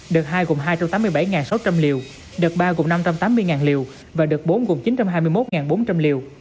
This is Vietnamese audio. đợt hai gồm hai trăm tám mươi bảy sáu trăm linh liều đợt ba gồm năm trăm tám mươi liều và đợt bốn gồm chín trăm hai mươi một bốn trăm linh liều